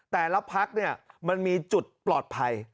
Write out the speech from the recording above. แต่ละพักมันมีจุดปลอดภัย